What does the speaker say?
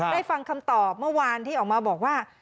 ฟังคำตอบเมื่อวานที่ออกมาบอกว่า